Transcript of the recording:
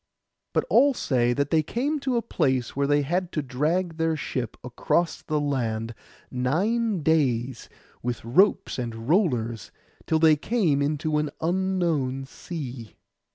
But all say that they came to a place where they had to drag their ship across the land nine days with ropes and rollers, till they came into an unknown sea.